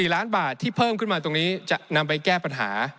๔ล้านบาทที่เพิ่มขึ้นมาตรงนี้จะนำไปแก้ปัญหา